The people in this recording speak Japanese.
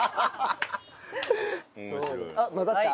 あっ混ざった？